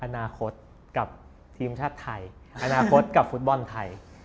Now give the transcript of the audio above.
อนาคตกับทีมชาติไทยอนาคตกับฟุตบอลไทย